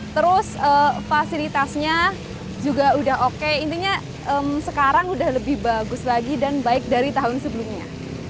terus fasilitasnya juga udah oke intinya sekarang udah lebih bagus lagi dan baik dari tahun sebelumnya